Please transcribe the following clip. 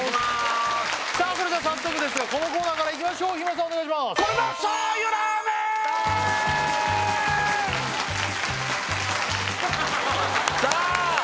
さあそれでは早速ですがこのコーナーからいきましょう日村さんお願いしますさあ